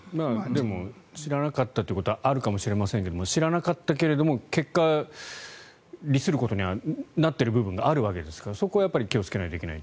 でも知らなかったということはあるかもしれませんが知らなかったけれども結果、利することにはなっている部分があるわけですからそこは気をつけないといけない。